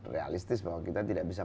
realistis bahwa kita tidak bisa